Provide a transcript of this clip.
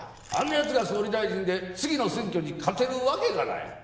あんな奴が総理大臣で次の選挙に勝てるわけがない。